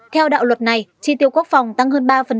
theo đạo luật này chi tiêu quốc phòng tăng hơn ba